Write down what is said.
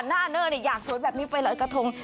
หน้าเนื้อเนี่ยอยากสวยแบบนี้ไปเลยกระทง